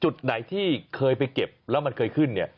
จุดไหนที่เขาเคยไปเก็บแล้วมันเคยขึ้น